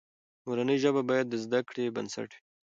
مورنۍ ژبه باید د زده کړې بنسټ وي.